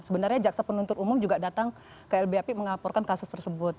sebenarnya jaksa penuntut umum juga datang ke lbap melaporkan kasus tersebut